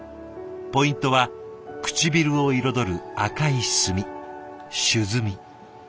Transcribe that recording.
ポイントは唇を彩る赤い墨朱墨。